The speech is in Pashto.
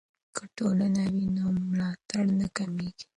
که ټولنه وي نو ملاتړ نه کمېږي.